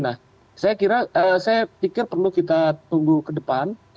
nah saya pikir perlu kita tunggu ke depan